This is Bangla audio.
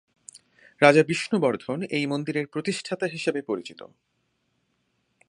রাজা বিষ্ণুবর্ধন এই মন্দিরের প্রতিষ্ঠাতা হিসেবে পরিচিত।